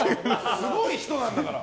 すごい人なんだから。